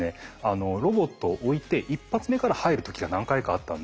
ロボットを置いて１発目から入る時が何回かあったんですよね。